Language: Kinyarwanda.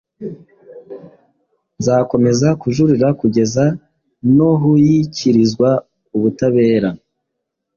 nzakomeza kujurira kugeza nuhyikirizwaubutabera"